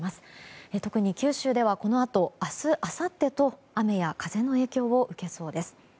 特に九州では、このあと明日あさってと雨や風の影響を受けそうです。